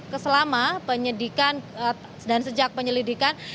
keselama penyidikan dan sejak penyelidikan